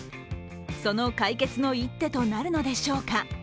その解決の一手となるのでしょうか。